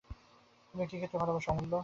তুমি কী খেতে ভালোবাস অমূল্য?